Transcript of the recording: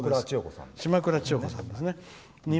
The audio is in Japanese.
島倉千代子さんですね。